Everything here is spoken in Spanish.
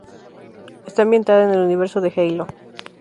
Está ambientada en el universo de Halo.